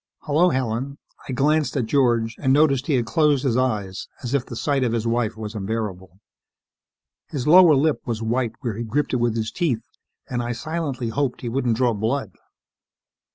"Hello, Helen." I glanced at George and noticed he had closed his eyes as if the sight of his wife was unbearable. His lower lip was white where he gripped it with his teeth and I silently hoped he wouldn't draw blood.